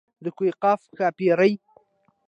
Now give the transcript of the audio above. د کوه قاف ښاپېرۍ.